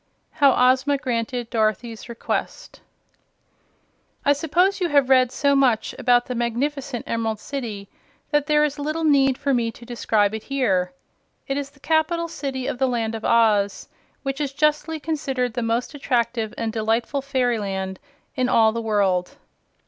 How Ozma Granted Dorothy's Request I suppose you have read so much about the magnificent Emerald City that there is little need for me to describe it here. It is the Capital City of the Land of Oz, which is justly considered the most attractive and delightful fairyland in all the world.